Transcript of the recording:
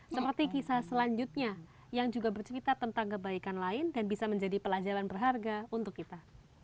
seperti kisah selanjutnya yang juga bercerita tentang kebaikan lain dan bisa menjadi pelajaran berharga untuk kita